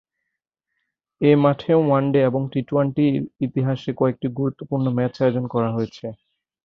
এ মাঠে ওয়ানডে এবং টি-টোয়েন্টির ইতিহাসের কয়েকটি গুরুত্বপূর্ণ ম্যাচ আয়োজন করা হয়েছে।